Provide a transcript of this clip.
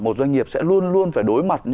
một doanh nghiệp sẽ luôn luôn phải đối mặt